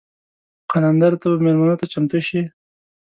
قلندره ته به میلمنو ته چمتو شې.